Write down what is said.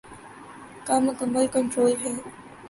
کا مکمل کنٹرول ہے۔